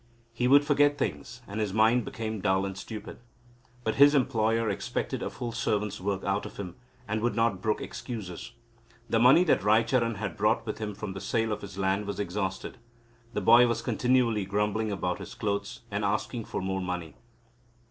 He would forget things, and his mind became dull and stupid. But his employer expected a full servant's work out of him, and would not brook excuses. The money that Raicharan had brought with him from the sale of his land was exhausted. The boy was continually grumbling about his clothes, and asking for more money.